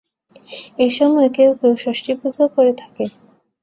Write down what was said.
এ সময় কেউ কেউ ষষ্ঠীপূজাও করে থাকে।